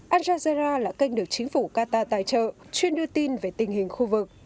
al jazera là kênh được chính phủ qatar tài trợ chuyên đưa tin về tình hình khu vực